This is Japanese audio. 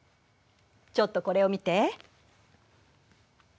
ちょっとこれを見て。